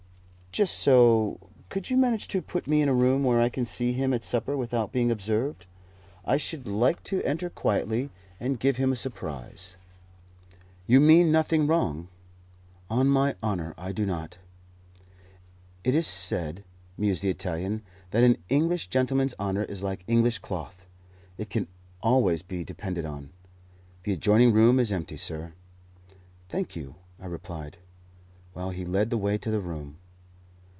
"Just so. Could you manage to put me in a room where I can see him at supper without being observed? I should like to enter quietly and give him a surprise." "You mean nothing wrong?" "On my honour, I do not." "It is said," mused the Italian, "that an English gentleman's honour is like English cloth; it can always be depended on. The adjoining room is empty, sir." "Thank you," I replied, while he led the way to the room.